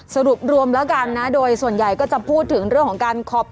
สรุปรวมแล้วกันนะโดยส่วนใหญ่ก็จะพูดถึงเรื่องของการขอบ